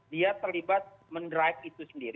dia terlibat men drive istusnya